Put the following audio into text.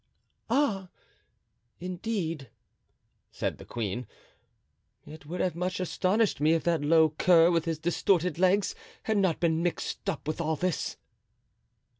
"Ah, indeed," said the queen, "it would have much astonished me if that low cur, with his distorted legs, had not been mixed up with all this."